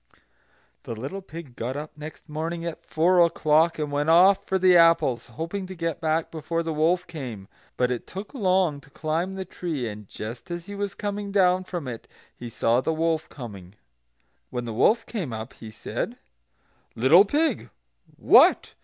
The little pig got up next morning at four o'clock, and went off for the apples, hoping to get back before the wolf came; but it took long to climb the tree, and just as he was coming down from it, he saw the wolf coming. When the wolf came up he said: "Little pig, what!